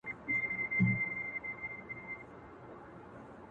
o اې ښكلي پاچا سومه چي ستا سومه؛